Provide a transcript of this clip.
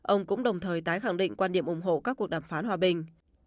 ông cũng đồng thời tái khẳng định quan điểm ủng hộ các cuộc đàm phán hòa bình